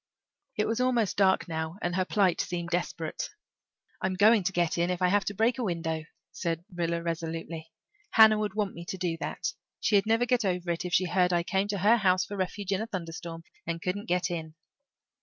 It was almost dark now and her plight seemed desperate. "I'm going to get in if I have to break a window," said Rilla resolutely. "Hannah would want me to do that. She'd never get over it if she heard I came to her house for refuge in a thunderstorm and couldn't get in."